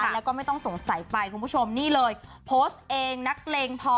แล้วก็ไม่ต้องสงสัยไปคุณผู้ชมนี่เลยโพสต์เองนักเลงพอ